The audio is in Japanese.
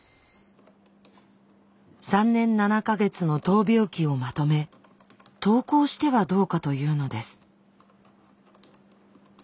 ３年７か月の闘病記をまとめ投稿してはどうかというのです。